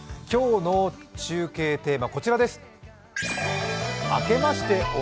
今日の中継テーマ、こちらです。